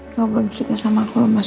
kamu belum cerita sama aku mas